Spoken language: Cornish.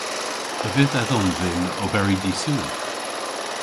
A vydh edhom dhyn oberi dy'Sul?